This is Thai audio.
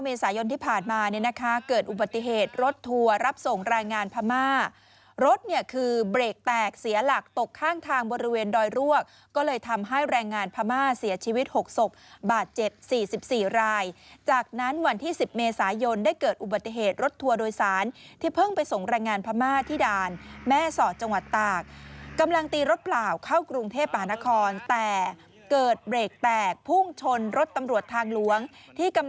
เมษายนที่ผ่านมาเนี่ยนะคะเกิดอุบัติเหตุรถทัวร์รับส่งรายงานพม่ารถเนี่ยคือเบรกแตกเสียหลักตกข้างทางบนระเวนดอยรวกก็เลยทำให้รายงานพม่าเสียชีวิตหกศพบาทเจ็บสี่สิบสี่รายจากนั้นวันที่สิบเมษายนได้เกิดอุบัติเหตุรถทัวร์โดยสารที่เพิ่งไปส่งรายงานพม่าที่ด่านแม่สอดจังหวัดตากกำ